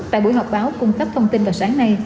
tại buổi họp báo cung cấp thông tin vào sáng nay